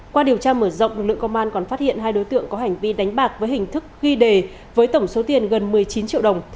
qua điều tra mở rộng lực lượng công an còn phát hiện hai đối tượng có hành vi đánh bạc với hình thức ghi đề với tổng số tiền gần một mươi chín triệu đồng